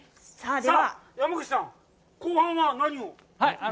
では、山口さん、後半は何を？